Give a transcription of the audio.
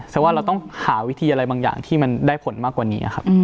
แสดงว่าเราต้องหาวิธีอะไรบางอย่างที่มันได้ผลมากกว่านี้ครับ